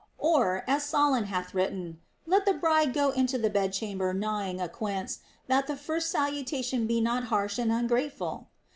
Or, as Solon hath written, "Let the bride go into the bed chamber gnawing a quince, that the first salu tation be not harsh and ungrateful."